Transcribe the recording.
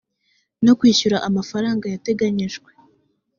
no kwishyura amafaranga yateganyijwe